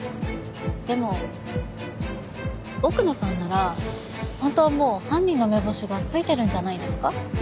でも奥野さんなら本当はもう犯人の目星がついてるんじゃないですか？